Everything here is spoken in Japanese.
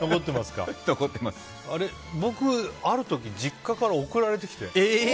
僕、ある時実家から送られてきて。